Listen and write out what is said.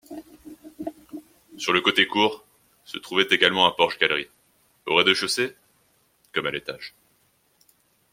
Sur le côté cour se trouvait également un porche-galerie au rez-de-chaussée comme à l'étage.